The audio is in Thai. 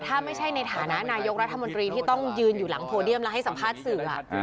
ถ้าไม่ใช่ในฐานะนายกรัฐมนตรีที่ต้องยืนอยู่หลังโพเดียมแล้วให้สัมภาษณ์สื่อ